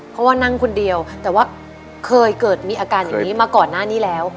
เพราะว่านั่งคนเดียวแต่ว่าเคยเกิดมีอาการอย่างนี้มาก่อนหน้านี้แล้ว